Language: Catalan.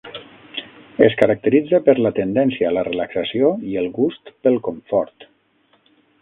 Es caracteritza per la tendència a la relaxació i el gust pel confort.